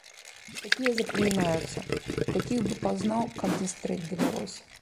Такія запамінаюцца, такіх бы пазнаў, каб дзе стрэць давялося.